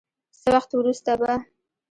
څه وخت وروسته به